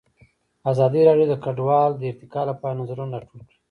ازادي راډیو د کډوال د ارتقا لپاره نظرونه راټول کړي.